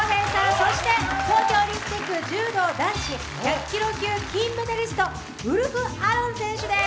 そして、東京オリンピック柔道男子１００キロ級金メダリストウルフ・アロン選手です。